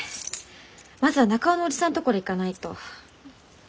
まずは中尾のおじさんのとこに行かないと。